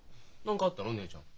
何かあったの姉ちゃん？